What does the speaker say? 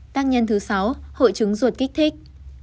tăng nhân thứ sáu hội trứng ruột kích thích